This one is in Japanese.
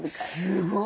すごい。